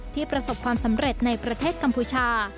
ประสบความสำเร็จในประเทศกัมพูชา